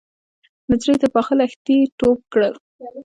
نجلۍ تر پاخه لښتي ټوپ کړ.